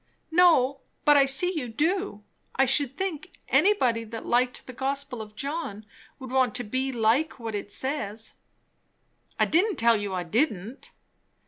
"No, but I see you do. I should think, anybody that liked the gospel of John, would want to be like what it says." "I didn't tell you I didn't."